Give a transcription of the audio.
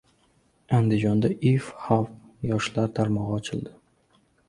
Andijonda “YouthHub” yoshlar tarmog‘i ochildi